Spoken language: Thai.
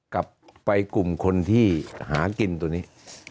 กลับไปกลุ่มคนที่หากินตัวนี้